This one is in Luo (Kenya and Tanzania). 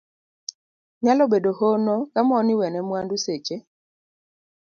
Nyalo bedo hono ka mon iwene mwandu seche